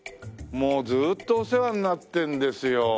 もうずーっとお世話になってるんですよ。